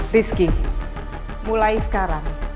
rizky mulai sekarang